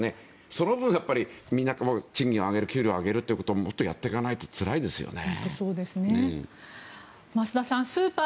その分、みんな賃金を上げる給料を上げるってことをもっとやっていかないとつらいですよね。